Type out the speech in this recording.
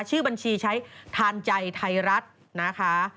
ชื่อบัญชีใช้ทานใจไทยรัฐนะคะ